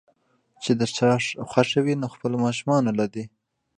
چې د چا خوښه وي نو خپلو ماشومانو له دې